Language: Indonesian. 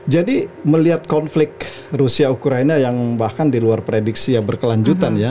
jadi melihat konflik rusia ukraine yang bahkan di luar prediksi yang berkelanjutan ya